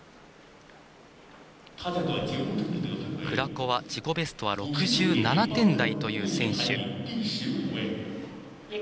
クラコワは自己ベストは６７点台という選手。